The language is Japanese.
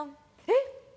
えっ！？